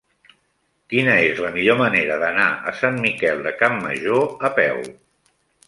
Quina és la millor manera d'anar a Sant Miquel de Campmajor a peu?